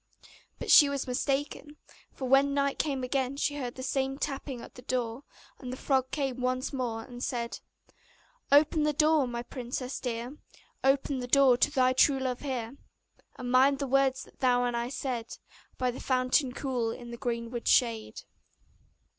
But she was mistaken; for when night came again she heard the same tapping at the door; and the frog came once more, and said: 'Open the door, my princess dear, Open the door to thy true love here! And mind the words that thou and I said By the fountain cool, in the greenwood shade.